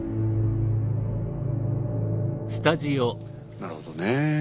なるほどね。